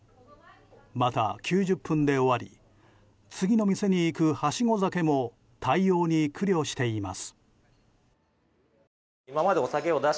また、９０分で終わり次の店に行く、はしご酒も対応に苦慮しています。